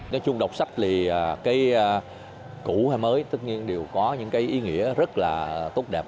nói chung đọc sách thì cái cũ hay mới tất nhiên đều có những cái ý nghĩa rất là tốt đẹp